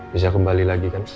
bisa kembali lagi kan